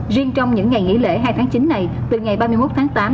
riêng trong những ngày nghỉ lễ hai tháng chín này từ ngày ba mươi một tháng tám